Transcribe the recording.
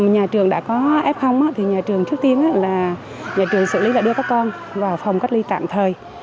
nhà trường đã có f thì nhà trường trước tiên là nhà trường xử lý là đưa các con vào phòng cách ly tạm thời